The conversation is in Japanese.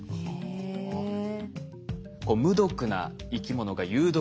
へえ。